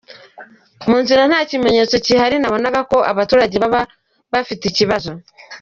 Mu nzira nta kimenyetso kihariye nabonaga ko abaturage baba bafite ikibazo.